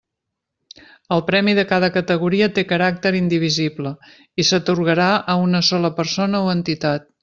El premi de cada categoria té caràcter indivisible i s'atorgarà a una sola persona o entitat.